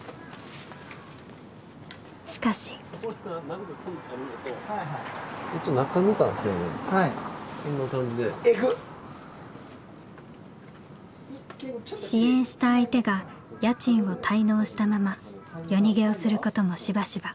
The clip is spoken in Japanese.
しかし。支援した相手が家賃を滞納したまま夜逃げをすることもしばしば。